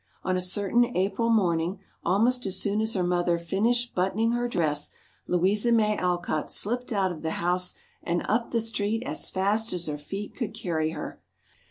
On a certain April morning, almost as soon as her mother finished buttoning her dress, Louisa May Alcott slipped out of the house and up the street as fast as her feet could carry her.